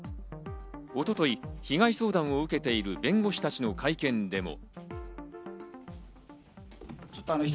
一昨日、被害相談を受けている弁護士たちの会見でも。